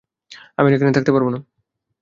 আমি আর এখানে থাকতে পারব না।